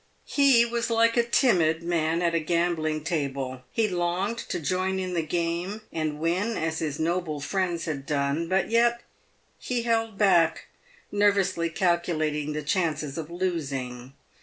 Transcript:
He was like a timid man at a gambling table. He longed to join in the game, and win as his noble friends had done, but yet he held back, nervously calculating the chances of losing.